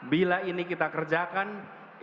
bila ini kita kerja dengan keadilan dan kesetaraan